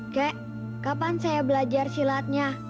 kek kapan saya belajar silatnya